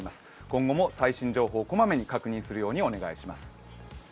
今後も最新情報を小まめに確認するようお願いします。